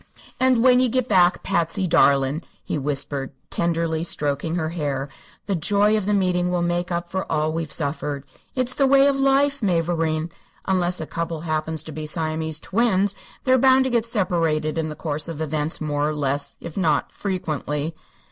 "And when ye get back, Patsy darlin'," he whispered, tenderly stroking her hair, "the joy of the meeting will make up for all that we've suffered. It's the way of life, mavourneen. Unless a couple happens to be Siamese twins, they're bound to get separated in the course of events, more or less, if not frequently."